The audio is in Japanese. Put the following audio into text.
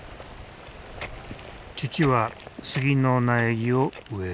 父は杉の苗木を植える。